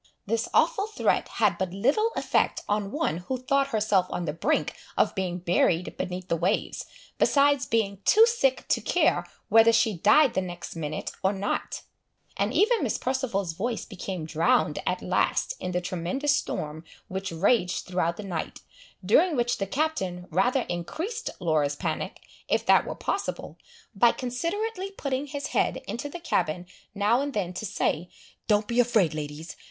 This awful threat had but little effect on one who thought herself on the brink of being buried beneath the waves, besides being too sick to care whether she died the next minute or not; and even Miss Perceval's voice became drowned at last in the tremendous storm which raged throughout the night, during which the Captain rather increased Laura's panic, if that were possible, by considerately putting his head into the cabin now and then to say, "Don't be afraid, ladies!